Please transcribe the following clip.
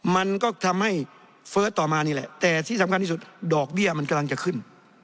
มันก็ทำให้เฟิร์สต่อมานี่แหละแต่ที่สำคัญที่สุดดอกเบี้ยมันกำลังจะขึ้น